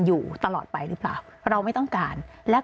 สิ่งที่ประชาชนอยากจะฟัง